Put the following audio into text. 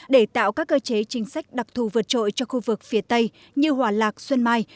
để tạo các cơ chế chính sách đặc thù vượt trội cho khu vực phía tây như hòa lạc xuân mai